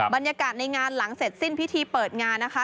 บรรยากาศในงานหลังเสร็จสิ้นพิธีเปิดงานนะคะ